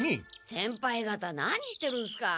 先輩方何してるんすか？